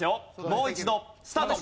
もう一度スタート！